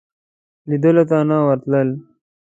لیدلو ته نه ورتلل.